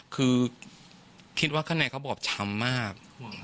คือคิดว่าข้างในเขาบอบช้ำมาก